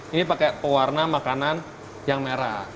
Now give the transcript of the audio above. ini pakai pewarna makanan yang merah